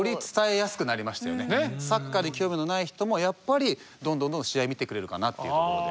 サッカーに興味のない人もやっぱりどんどんどんどん試合見てくれるかなというところで。